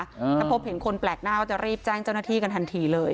ถ้าพบเห็นคนแปลกหน้าก็จะรีบแจ้งเจ้าหน้าที่กันทันทีเลย